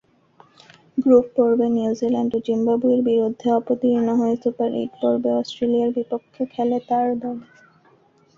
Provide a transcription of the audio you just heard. গ্রুপ-পর্বে New Zealand ও জিম্বাবুয়ের বিরুদ্ধে অবতীর্ণ হয়ে সুপার-এইট পর্বে অস্ট্রেলিয়ার বিপক্ষে খেলে তার দল।